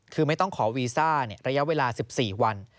คือไม่ต้องขอวีซ่าระยะเวลา๑๔วัน